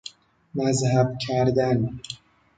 مذهب کردن